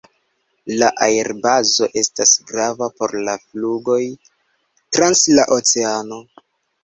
La aerbazo estas grava por la flugoj trans la oceano.